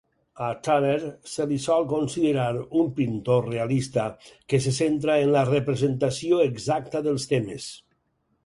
A Tanner se li sol considerar un pintor realista, que se centra en la representació exacta dels temes.